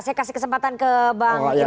saya kasih kesempatan ke bang irman